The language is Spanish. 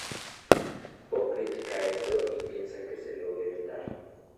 Bob critica esto y piensa que se lo deben dar.